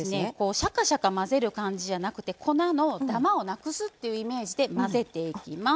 シャカシャカ混ぜる感じじゃなくて粉のダマをなくす感じで混ぜていきます。